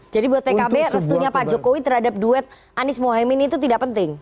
jadi buat pkb restunya pak jokowi terhadap duet anies mohemini itu tidak penting